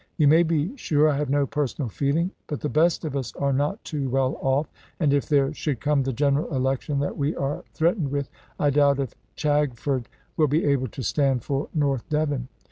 You may be sure I have no personal feeling; but the best of us are not too well off, and if there should come the general election that we are threatened with, I doubt if Chagford will be able to stand for North Devon.